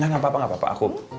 ya enggak apa apa enggak apa apa aku